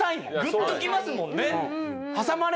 グッときますもんね。